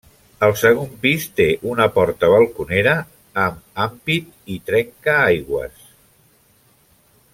El segon pis té una porta balconera amb ampit i trenca-aigües.